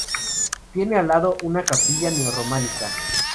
Tiene al lado una capilla neo-románica.